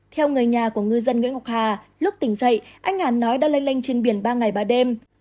theo người nhà của ngư dân nguyễn ngọc hà lúc tỉnh dậy anh hà nói đã lây lanh trên biển ba ngày ba đêm